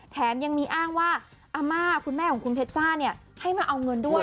แถมยังมีอ้างว่าอาม่าคุณแม่ของคุณเพชจ้าเนี่ยให้มาเอาเงินด้วย